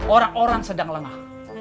orang orang sedang lengah